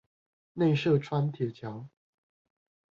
內社川鐵橋